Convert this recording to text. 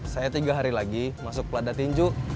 saya tiga hari lagi masuk plada tinju